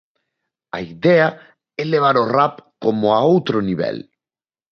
A idea é levar o rap como a outro nivel.